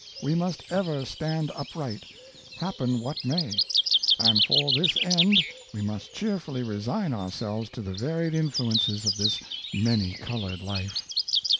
We must ever stand upright, happen what may, and for this end we must cheerfully resign ourselves to the varied influ ences of this many colored life.